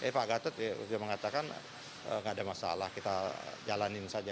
pak gatot dia mengatakan nggak ada masalah kita jalanin saja